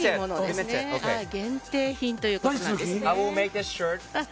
限定品ということなんですね。